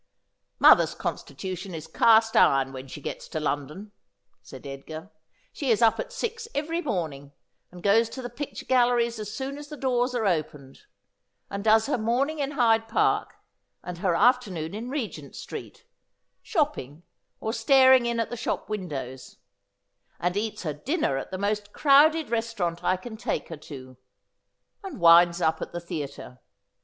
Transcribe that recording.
' Mother's constitution is cast iron when she gets to London,' said Edgar. ' She is up at six every morning, and goes to the picture galleries as soon as the doors are opened ; and does her morning in Hyde Park, and her afternoon in Regent Street, shopping, or staring in at the shop windows ; and eats her dinner at the most crowded restaurant I can take her to ; and winds up at the theatre.